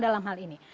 dalam hal ini